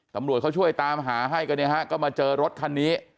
ตำรวจเขาช่วยตามหาให้กันเนี่ยฮะก็มาเจอรถคันนี้